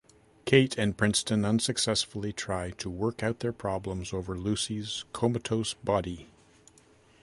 Kate and Princeton unsuccessfully try to work out their problems over Lucy's comatose body.